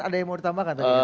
ada yang mau ditambahkan tadi